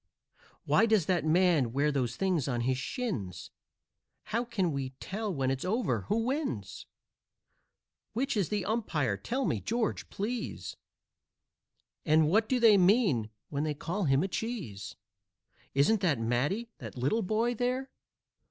"Why does that man wear those things on his shins?" "How can we tell, when it's over, who wins?" "Which is the umpire? Tell me, George, please, And what do they mean when they call him a cheese?" "Isn't that Matty, that little boy there?